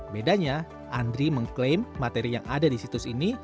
bedanya andri mengklaim materi yang ada di situs ini